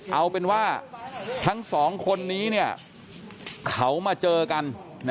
เอาเป็นว่าทั้งสองคนนี้เขามาเจอกัน